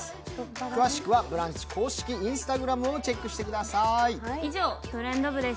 詳しくはブランチ公式Ｉｎｓｔａｇｒａｍをチェックしてください。